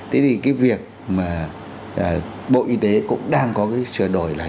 thế thì cái việc mà bộ y tế cũng đang có cái sửa đổi là